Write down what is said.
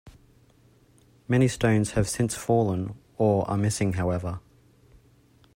Many stones have since fallen or are missing however.